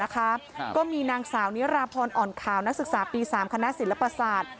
ก็มีนางสาวนิราพรอ่อนขาวนักศึกษาปี๓คณะศิลปศาสตร์